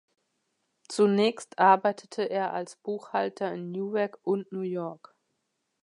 Zunächst arbeitete er als Buchhalter in Newark und New York.